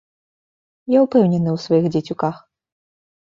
Я ўпэўнены ў сваіх дзецюках.